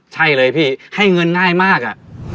ใช่เลยพี่ให้เงินง่ายมากอะ